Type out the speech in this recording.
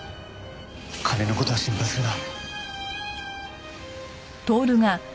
金の事は心配するな。